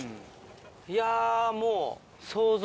いやもう。